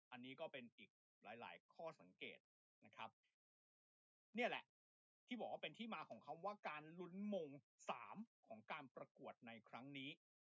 อันนี้ก็เป็นอีกหนึ่งหลายข้อสังเกตนะครับนี่แหละที่บอกว่าเป็นที่มาของคำว่าการลุ้นมงสามของการประกวดในครั้งนี้